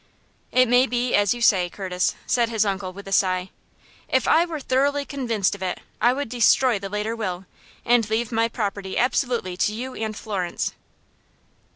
"It may be as you say, Curtis," said his uncle, with a sigh. "If I were thoroughly convinced of it, I would destroy the later will, and leave my property absolutely to you and Florence."